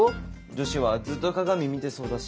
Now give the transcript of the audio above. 女子はずっと鏡見てそうだし。